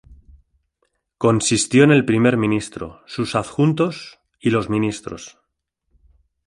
Consistió en el Primer Ministro, sus adjuntos y los Ministros.